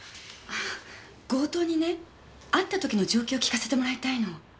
強盗にね遭ったときの状況を聞かせてもらいたいの。